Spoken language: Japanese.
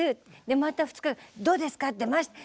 でまた２日「どうですか？出ました？」